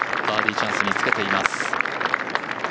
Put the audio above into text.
バーディーチャンスにつけています。